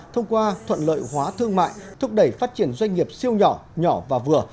thông qua thuận lợi hóa thương mại thúc đẩy phát triển doanh nghiệp siêu nhỏ nhỏ và vừa